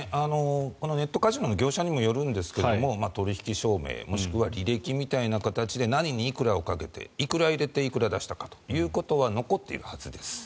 ネットカジノの業者にもよるんですが取引証明もしくは履歴みたいな形で何にいくら賭けていくら入れていくら出したかということは残っているはずです。